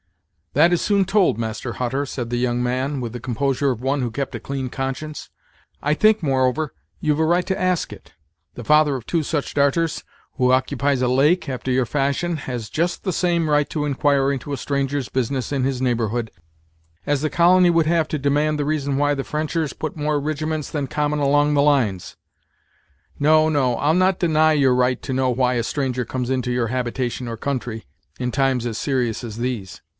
"That is soon told, Master Hutter," said the young man, with the composure of one who kept a clean conscience. "I think, moreover, you've a right to ask it. The father of two such darters, who occupies a lake, after your fashion, has just the same right to inquire into a stranger's business in his neighborhood, as the colony would have to demand the reason why the Frenchers put more rijiments than common along the lines. No, no, I'll not deny your right to know why a stranger comes into your habitation or country, in times as serious as these."